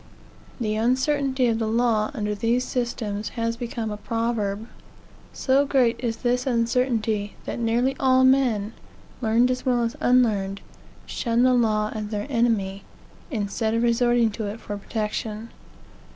The uncertainty of the law under these systems has become a proverb. So great is this uncertainty, that nearly all men, learned as well as unlearned, shun the law as their enemy, instead of resorting to it for protection.